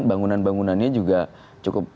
bangunan bangunannya juga cukup